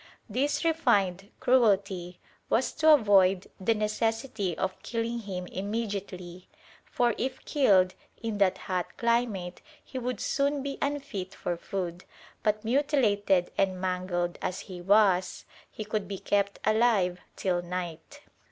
This refined cruelty was to avoid the necessity of killing him immediately, for if killed, in that hot climate he would soon be unfit for food; but mutilated and mangled as he was, he could be kept alive till night."